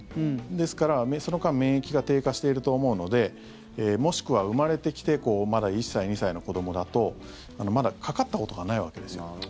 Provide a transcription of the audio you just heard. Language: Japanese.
ですからその間免疫が低下していると思うのでもしくは生まれてきてまだ１歳、２歳の子どもだとまだかかったことがないわけですよ。